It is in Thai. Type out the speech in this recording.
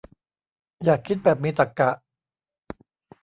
อยากคิดแบบมีตรรกะ